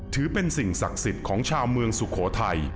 ถือเป็นสิ่งศักดิ์สิทธิ์ของชาวเมืองสุโขทัย